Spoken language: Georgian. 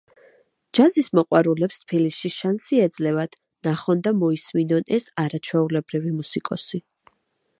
ჯაზის მოყვარულებს თბილისში შანსი ეძლევათ, ნახონ და მოისმინონ ეს არაჩვეულებრივი მუსიკოსი.